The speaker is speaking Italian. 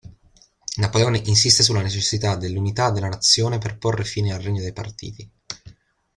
Napoleone insiste sulla necessità dell'unità della nazione per porre fine al regno dei partiti.